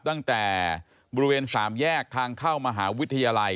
ตั้งแต่บริเวณ๓แยกทางเข้ามหาวิทยาลัย